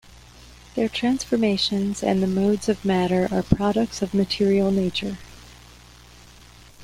Their transformations and the modes of matter are products of material nature.